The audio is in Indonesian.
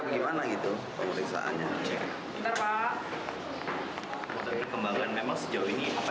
sebentar kita cek ke dalam